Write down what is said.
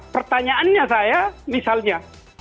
pertanyaannya saya misalnya